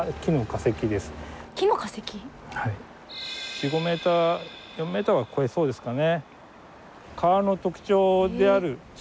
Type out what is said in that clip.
４５ｍ４ｍは超えそうですかね。